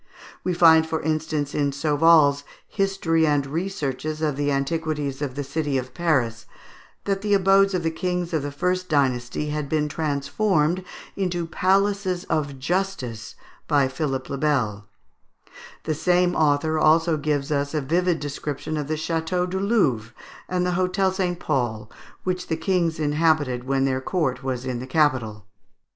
We find, for instance, in Sauval's "History and Researches of the Antiquities of the City of Paris," that the abodes of the kings of the first dynasty had been transformed into Palaces of Justice by Philip le Bel; the same author also gives us a vivid description of the Château du Louvre, and the Hôtel St. Paul, which the kings inhabited when their court was in the capital.